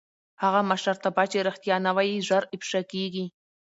هغه مشرتابه چې رښتیا نه وايي ژر افشا کېږي